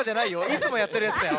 いつもやってるやつだよ。